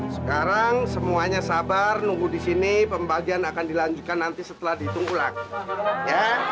sekarang semuanya sabar nunggu disini pembagian akan dilanjutkan nanti setelah ditunggu lagi